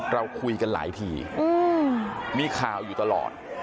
เราคุยกันหลายทีมีข่าวอยู่ตลอด